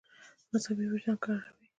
مذهبي وجدان کراروي.